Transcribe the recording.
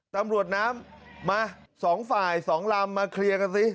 ตำรวจน้ำมา๒ฝ่าย๒ลำมาเคลียร์กันสิ